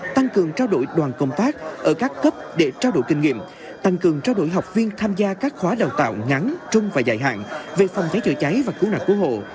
tăng cường trao đổi đoàn công tác ở các cấp để trao đổi kinh nghiệm tăng cường trao đổi học viên tham gia các khóa đào tạo ngắn trung và dài hạn về phòng cháy chữa cháy và cứu nạn cứu hộ